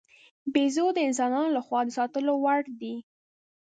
بیزو د انسانانو له خوا د ساتلو وړ دی.